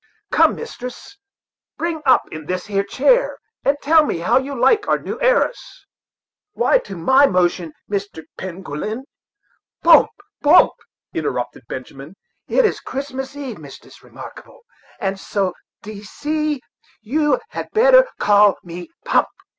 Come, mistress, bring up in this here chair, and tell me how you like our new heiress." "Why, to my notion, Mr. Penguillum " "Pump, Pump," interrupted Benjamin; "it's Christmas eve, Mistress Remarkable, and so, d'ye see, you had better call me Pump.